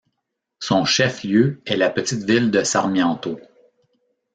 Son chef-lieu est la petite ville de Sarmiento.